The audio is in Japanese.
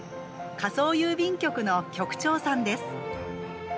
仮想郵便局の局長さんです。